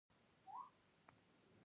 زه غواړم په راتلونکي کې ډاکټر شم.